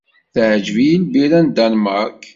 Teεǧeb-iyi lbira n Danmark.